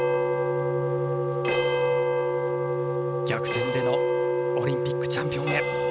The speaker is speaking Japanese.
逆転でのオリンピックチャンピオンへ。